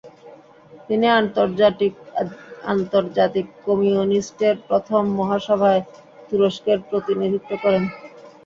তিনি আন্তর্জাতিক কমিউনিস্টের প্রথম মহাসভায় তুরস্কের প্রতিনিধিত্ব করেন।